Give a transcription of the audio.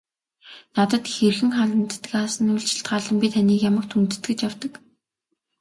Надад хэрхэн ханддагаас нь үл шалтгаалан би тэднийг ямагт хүндэтгэж явдаг.